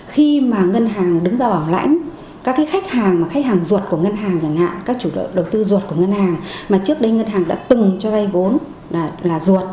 khi mà ngân hàng đứng ra bảo lãnh các khách hàng khách hàng ruột của ngân hàng các chủ đầu tư ruột của ngân hàng mà trước đây ngân hàng đã từng cho đây vốn là ruột